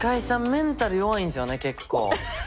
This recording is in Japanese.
メンタル弱いんすよね結構。